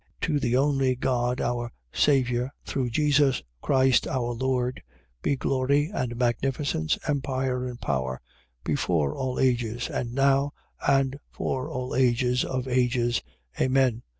To the only God our Saviour through Jesus Christ our Lord, be glory and magnificence, empire and power, before all ages, and now, and for all ages of ages. Amen.